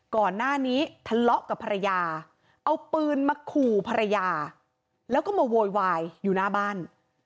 ก่อนหน้านี้ทะเลาะกับภรรยาเอาปืนมาขู่ภรรยาแล้วก็มาโวยวายอยู่หน้าบ้าน